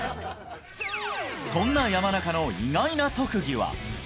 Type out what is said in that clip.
そんな山中の意外な特技は。